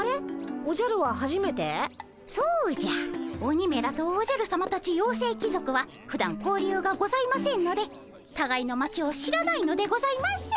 鬼めらとおじゃるさまたち妖精貴族はふだん交流がございませんのでたがいの町を知らないのでございます。